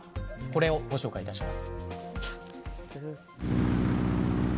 これをご紹介いたします。